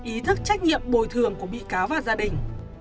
ý thức trách nhiệm bồi thường của bị cáo và gia đình